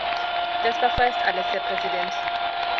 Das war vorerst alles, Herr Präsident.